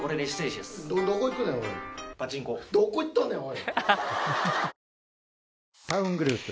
どこ行っとんねんおい。